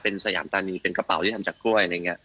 เป็นสยามตานีเป็นกระเป๋าที่ทำจากกล้วยนะครับ